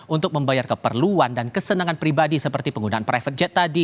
untuk membayar keperluan dan kesenangan pribadi seperti penggunaan private jet tadi